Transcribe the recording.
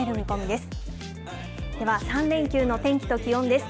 では３連休の天気と気温です。